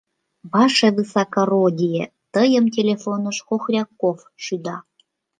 — Ваше высокородие, тыйым телефоныш Хохряков шӱда.